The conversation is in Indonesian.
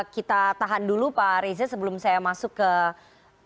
kita tahan dulu pak reza sebelum saya masuk ke tema yang lebih penting